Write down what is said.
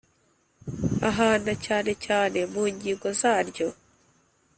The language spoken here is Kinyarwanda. Ahana cyane cyane mu ngingo zaryo